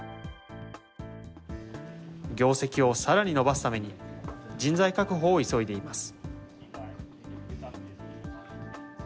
業績をさらに伸ばすために、人材確保を急いでいます。